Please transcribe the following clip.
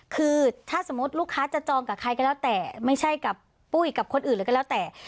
คือถ้าสมมุติลูกค้าจะจองกับใครก็แล้วแต่ไม่ใช่กับปุ้ยกับคนอื่นเลยก็แล้วแต่